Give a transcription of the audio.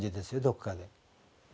どっかで。